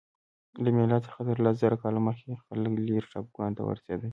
له میلاد څخه تر لس زره کاله مخکې خلک لیرې ټاپوګانو ته ورسیدل.